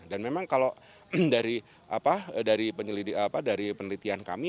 dan memang kalau dari penelitian kami